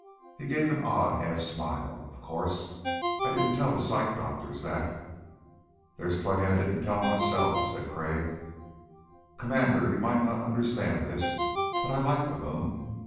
He gave an odd half smile. "Of course I didn't tell the psych doctors that." "There's plenty I didn't tell 'em, myself," Crag said. "Commander, you might not understand this but ... I like the moon."